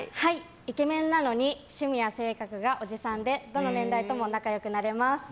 イケメンなのに趣味や性格がおじさんでどの年代とも仲良くなれます。